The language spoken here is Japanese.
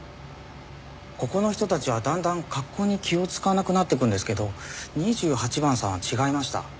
ここの人たちはだんだん格好に気を使わなくなっていくんですけど２８番さんは違いました。